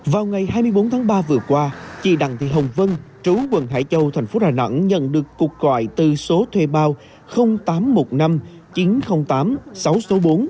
vào ngày hai mươi bốn tháng ba vừa qua chị đặng thị hồng vân chú quận hải châu thành phố đà nẵng nhận được cuộc gọi từ số thuê bao tám trăm một mươi năm chín trăm linh tám sáu trăm sáu mươi bốn